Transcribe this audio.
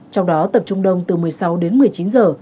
trong đó tập trung đông từ một mươi sáu đến một mươi chín giờ